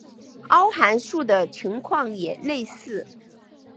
凹函数的情况也类似。